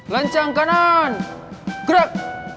lancang kanan gerak